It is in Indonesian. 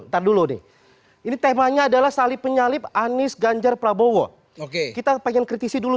tar dulu nih ini temanya adalah salib penyalip anies ganjar prabowo oke kita pengen kritisi dulu